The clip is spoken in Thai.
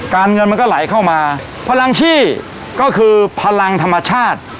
เงินมันก็ไหลเข้ามาพลังชี่ก็คือพลังธรรมชาติ